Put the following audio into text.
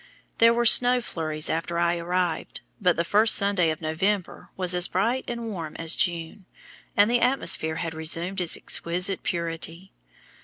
There were snow flurries after I arrived, but the first Sunday of November was as bright and warm as June, and the atmosphere had resumed its exquisite purity.